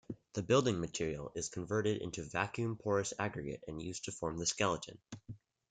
The building material is converted into vacuum-porous aggregate and used to form the skeleton.